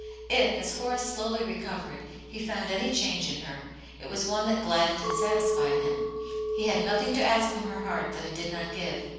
If, as Horace slowly recovered, he found any change in her, it was one that gladdened and satisfied him ; he had nothing to ask from her heart that it did not give.